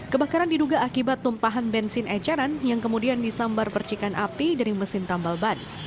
kebakaran diduga akibat tumpahan bensin eceran yang kemudian disambar percikan api dari mesin tambal ban